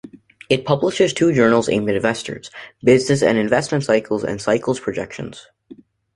It publishes two journals aimed at investors, "Business and Investment Cycles" and "Cycles Projections".